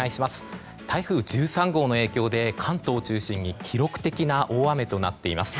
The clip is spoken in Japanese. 台風１３号の影響で関東を中心に記録的な大雨となっています。